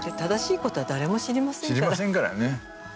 知りませんからね。